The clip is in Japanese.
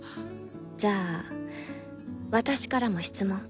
じゃあ私からも質問。